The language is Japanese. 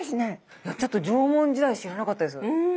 ちょっと縄文時代知らなかったです。